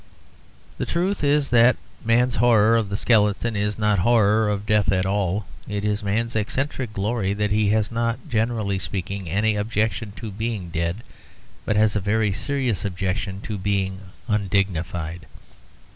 The truth is that man's horror of the skeleton is not horror of death at all. It is man's eccentric glory that he has not, generally speaking, any objection to being dead, but has a very serious objection to being undignified.